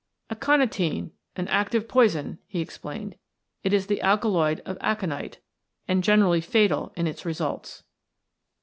"Aconitine, an active poison," he explained. "It is the alkaloid of aconite, and generally fatal in its results."